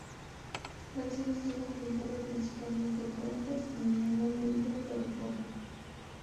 La acción estuvo ambientada principalmente en Londres y en menor medida en California.